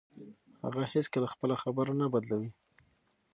هغه هیڅکله خپله خبره نه بدلوي.